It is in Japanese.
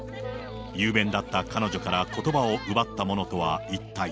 雄弁だった彼女からことばを奪ったものとは一体。